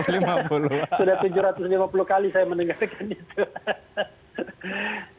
sudah tujuh ratus lima puluh kali saya mendengarkan itu